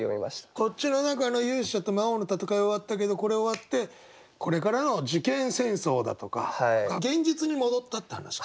こっちの中の勇者と魔王の戦いは終わったけどこれ終わってこれからの受験戦争だとか現実に戻ったって話か。